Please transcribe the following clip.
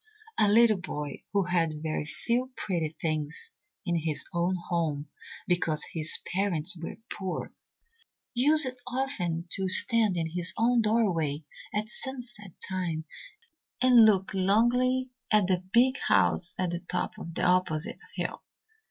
A little boy who had very few pretty things in his own home because his parents were poor, used often to stand in his own doorway at sunset time and look longingly at the big house at the top of the opposite hill.